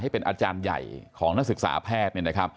เป็นอาจารย์ใหญ่ของนักศึกษาแพทย์